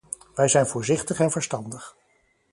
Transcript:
Wij zijn voorzichtig en verstandig.